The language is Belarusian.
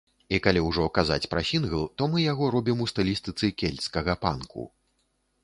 І калі ўжо казаць пра сінгл, то мы яго робім у стылістыцы кельцкага панку.